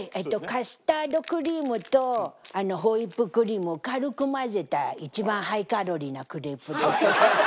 カスタードクリームとホイップクリームを軽く混ぜたハイカロリー！